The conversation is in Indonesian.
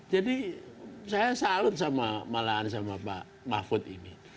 jadi saya salut malahan sama pak mahfud ini